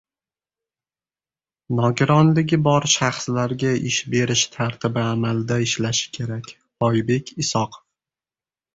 Nogironligi bor shaxslarga ish berish tartibi amalda ishlashi kerak - Oybek Isoqov